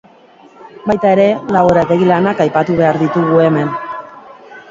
Baita ere, laborategi lanak aipatu behar ditugu hemen.